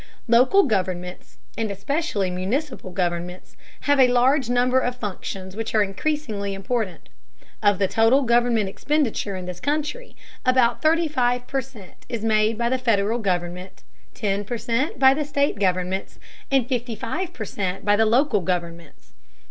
Local governments, and especially municipal governments, have a large number of functions which are increasingly important. Of the total government expenditure in this country, about 35 per cent is made by the Federal government, 10 per cent by the state governments, and 55 per cent by the local governments.